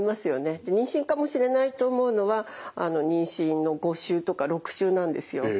妊娠かもしれないと思うのは妊娠の５週とか６週なんですよ。